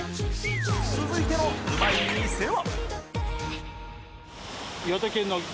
続いてのうまい店は？